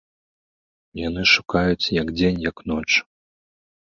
Яны шукаюць як дзень, як ноч.